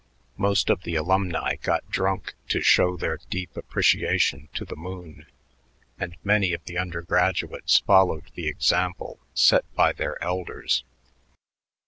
Most of the alumni got drunk to show their deep appreciation to the moon, and many of the undergraduates followed the example set by their elders.